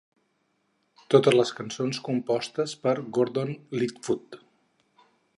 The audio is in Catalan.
Totes les cançons compostes per Gordon Lightfoot.